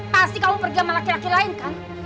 pasti kamu pergi sama laki laki lain kan